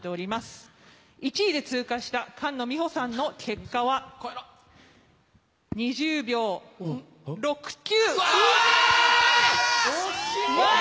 １位で通過した菅野美穂さんの結果は２０秒６９。